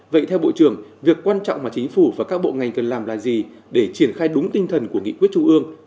vậy theo bộ trưởng việc quan trọng mà chính phủ và các bộ ngành cần làm là gì để triển khai đúng tinh thần của nghị quyết trung ương